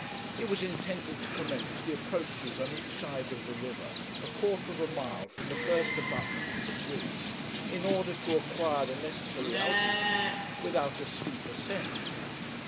It was intended to commence the approaches on each side of the river a quarter of a mile from the first abutment of the bridge, in order to acquire the necessary altitude without a steep ascent.